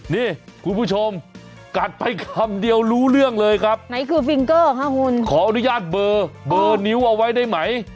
นี่คุณผู้ชมกัดไปคำเดียวรู้เรื่องเลยครับขออนุญาตเบอร์นิ้วเอาไว้ได้ไหม